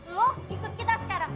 lo ikut kita sekarang